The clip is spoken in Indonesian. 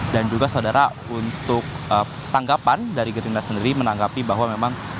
dan juga saudara untuk tanggapan dari gerindra sendiri menanggapi bahwa memang